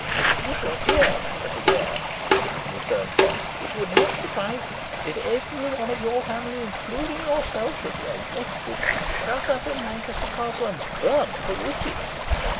"You shall hear, my little dear," returned Potts. "It would not surprise me, if every one of your family, including yourself, should be arrested, shut up in Lancaster Castle, and burnt for witches!"